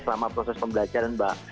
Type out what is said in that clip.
selama proses pembelajaran mbak